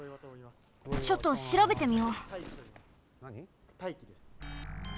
ちょっとしらべてみよう。